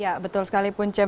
ya betul sekali pun cem